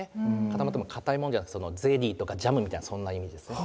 固まっても硬いものじゃなくゼリーとかジャムみたいなそんなイメージですね。